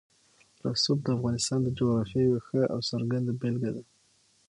رسوب د افغانستان د جغرافیې یوه ښه او څرګنده بېلګه ده.